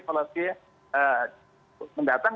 kalau nanti mendatang